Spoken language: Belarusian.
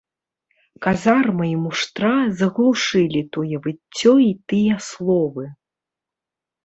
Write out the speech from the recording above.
Казарма і муштра заглушылі тое выццё і тыя словы.